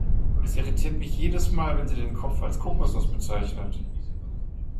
Es irritiert mich jedes Mal, wenn sie den Kopf als Kokosnuss bezeichnet.